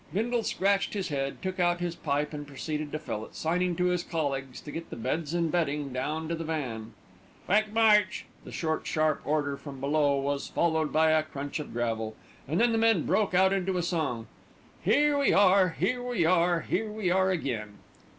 Bindle scratched his head, took out his pipe and proceeded to fill it, signing to his colleagues to get the beds and bedding down to the van. "Quick march!" The short sharp order from below was followed by a crunch of gravel, and then the men broke out into a song, "Here we are, here we are, here we are again."